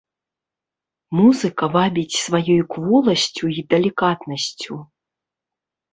Музыка вабіць сваёй кволасцю і далікатнасцю.